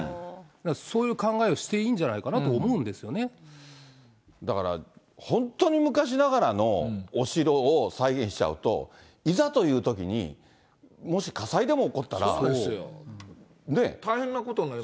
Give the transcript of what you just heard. そういう考えをしていいんじゃなだから、本当に昔ながらのお城を再現しちゃうと、いざというときに、もし火災でも起こったら。ね？